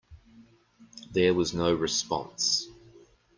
There was no response.